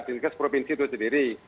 dinkes provinsi itu sendiri